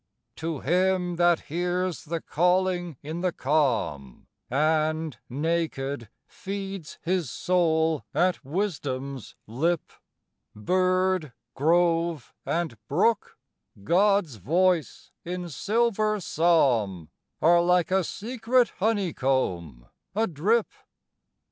I. To him that hears the calling in the calm, And, naked, feeds his soul at Wisdom's lip, Bird, grove, and brook God's voice in silver psalm Are like a secret honeycomb adrip.